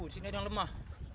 di sini ada yang lemah